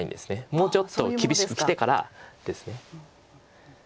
もうちょっと厳しくきてからです。